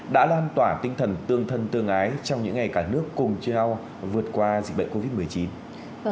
đã lan tỏa tinh thần tương thân tương ái trong những ngày cả nước cùng treo vượt qua dịch bệnh covid một mươi chín